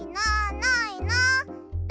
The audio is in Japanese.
ないなあ